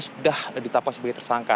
sudah ditapa sebagai tersangka